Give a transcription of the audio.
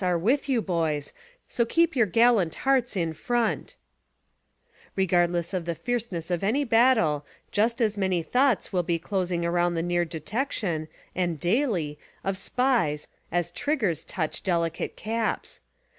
are with you, boys ; so keep your gallant hearts in front ! Regardless of the fierceness of any battle just as many thoughts will be closing around the near detection, and daily, of SPIES as triggers touch delicate caps.